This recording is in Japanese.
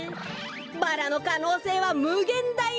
バラのかのうせいはむげんだい